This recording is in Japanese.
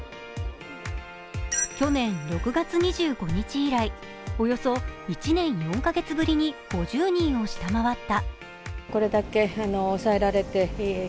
去年６月２５日以来、およそ１年４カ月ぶりに５０人を下回った。